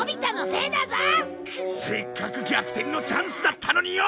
せっかく逆転のチャンスだったのによ！